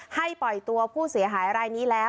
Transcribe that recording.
ให้ปล่อยตัวผู้เสียหายอะไรนี้แล้ว